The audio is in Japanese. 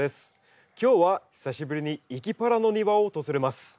今日は久しぶりに「いきパラ」の庭を訪れます。